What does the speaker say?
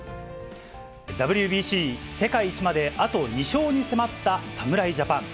ＷＢＣ世界一まで、あと２勝に迫った侍ジャパン。